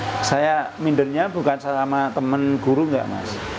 jadi guru itu saya saya mindernya bukan sama temen guru enggak mas